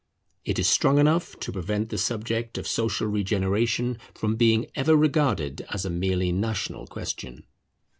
It is strong enough to prevent the subject of social regeneration from being ever regarded as a merely national question.